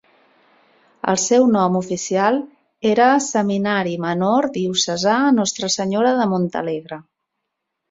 El seu nom oficial era Seminari Menor Diocesà Nostra Senyora de Montalegre.